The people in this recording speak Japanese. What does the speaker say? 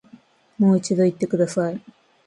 もう一度言ってください